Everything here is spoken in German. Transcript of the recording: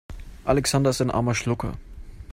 Alexander ist ein armer Schlucker.